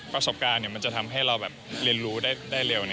ประสบการณ์จะทำให้เราเรียนรู้ได้เร็ว